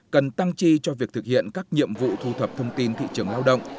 cần tăng chi cho việc thực hiện các nhiệm vụ thu thập thông tin thị trường lao động